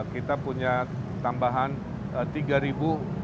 kita punya tambahan tiga penyapu jalan